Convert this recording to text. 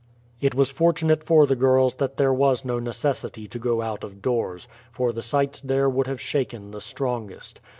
It was fortunate for the girls that there was no necessity to go out of doors, for the sights there would have shaken the strongest.